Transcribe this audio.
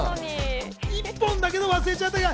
１本だけなの忘れちゃったから。